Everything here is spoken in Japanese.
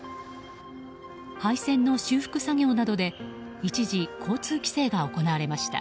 配線の修復作業などで一時、交通規制が行われました。